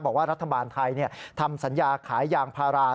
บอกว่ารัฐบาลไทยทำสัญญาขายยางพารา